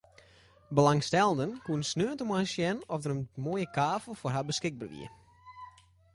Belangstellenden koene sneontemoarn sjen oft der in moaie kavel foar har beskikber wie.